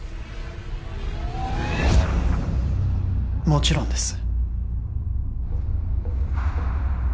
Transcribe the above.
もちろんです